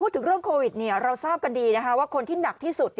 พูดถึงเรื่องโควิดเราทราบกันดีว่าคนที่หนักที่สุด